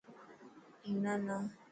هيڻا نه.